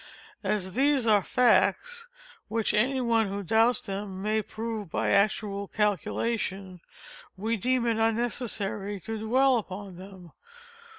As these are facts, which any one who doubts them may prove by actual calculation, we deem it unnecessary to dwell upon them.